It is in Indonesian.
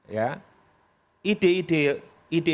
nah oleh karena itu kemudian